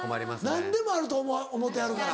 何でもあると思ってはるから。